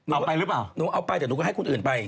เอาไปหรือเปล่าหนูเอาไปแต่หนูก็ให้คนอื่นไป